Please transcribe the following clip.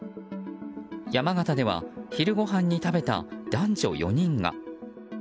山形では昼ごはんに食べた男女４人が。